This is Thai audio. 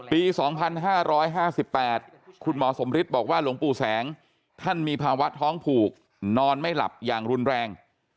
ปี๒๕๕๘คุณหมอสมฤทธิ์บอกว่าหลวงปู่แสงท่านมีภาวะท้องผูกนอนไม่หลับอย่างรุนแรง